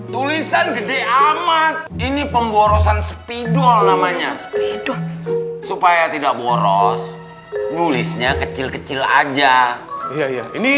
tulisan gede amat ini pemborosan spidol namanya hidup supaya tidak boros nulisnya kecil kecil aja iya ini